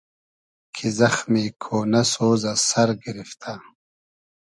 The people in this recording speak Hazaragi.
کی زئخمی کۉنۂ سۉز از سئر گیریفتۂ